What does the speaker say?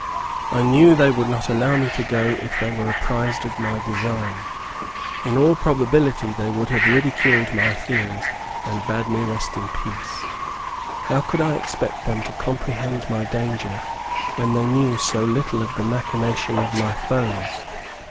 I knew they would not allow me to go, if they were apprised of my design. In all probability, they would have ridiculed my fears, and bade me rest in peace. How could I expect them to comprehend my danger, when they knew so little of the machination of my foes?